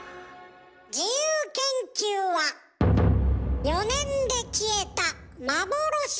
自由研究は４年で消えた幻の教科。